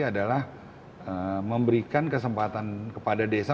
adalah memberikan kesempatan kepada desa